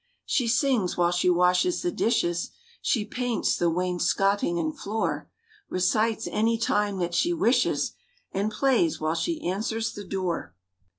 She sings—while she washes the dishes; She paints—the wainscoting and floor; Recites—anytime that she wishes. And plays—while she answers the door.